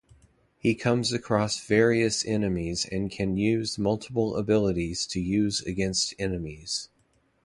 He comes across various enemies and can use multiple abilities to use against enemies.